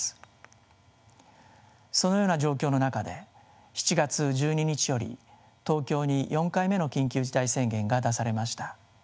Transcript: そのような状況の中で７月１２日より東京に４回目の緊急事態宣言が出されました。